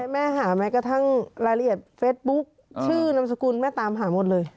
แม่หาแม้กระทั่งรายละเอียดเฟสบุ๊คชื่อนามสกุลแม่ตามหาหมดเลย